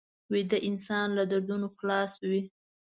ویده انسان له دردونو خلاص وي